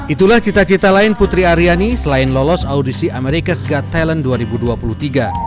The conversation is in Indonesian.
itulah cita cita lain putri aryani selain lolos audisi ⁇ americas ⁇ got talent dua ribu dua puluh tiga